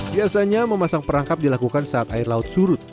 biasanya memasang perangkap dilakukan saat air laut surut